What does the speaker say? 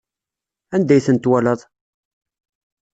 Anda ay tent-twalaḍ?